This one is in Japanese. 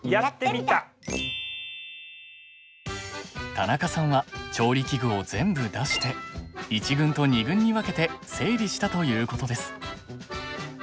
田中さんは調理器具を全部出して１軍と２軍に分けて整理したということです。